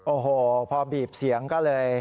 โอ้โหพอบีบเสียงก็เลย